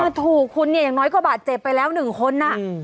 อืมถูกคุณเนี่ยอย่างน้อยกว่าบัติเจ็บไปแล้ว๑คนอะ